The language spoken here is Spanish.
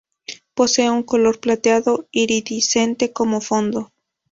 Posee un color plateado iridiscente como fondo.